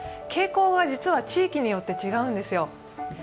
傾向は実は地域によって違うんですよ。